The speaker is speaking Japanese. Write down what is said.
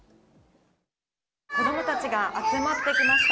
子どもたちが集まってきました。